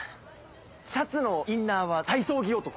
シャツのインナーは体操着男。